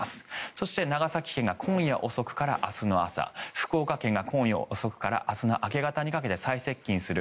そして長崎県が今夜遅くから明日の朝福岡県が今夜遅くから明日の明け方にかけて最接近する。